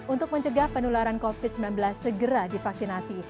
untuk mencegah penularan covid sembilan belas segera divaksinasi